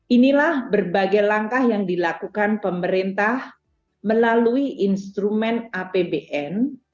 inilah berbagai langkah yang dilakukan pemerintah melalui instrumen apbn